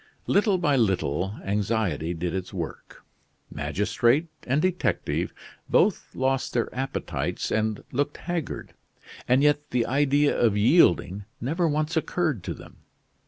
Little by little anxiety did its work. Magistrate and detective both lost their appetites and looked haggard; and yet the idea of yielding never once occurred to them.